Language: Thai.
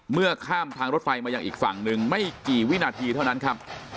เมื่อข้ามทางรถไฟมายังอีกฝั่งหนึ่งไม่กี่วินาทีเท่านั้นครับ